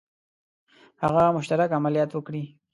هغه مشترک عملیات وکړي.